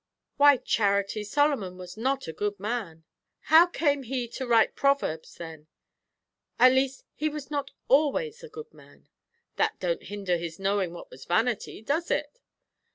"Why, Charity, Solomon was not a good man." "How came he to write proverbs, then?" "At least he was not always a good man." "That don't hinder his knowing what was vanity, does it?"